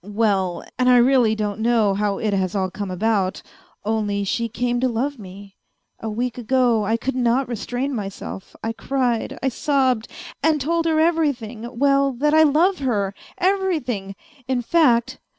... Well, and I really don't know how it has all come about, only she came to love me ; a week ago I could not restrain myself, I cried, I sobbed, and told her everything well, that I love her every thing, in fact